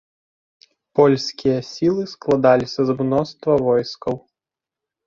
Польскія сілы складаліся з мноства войскаў.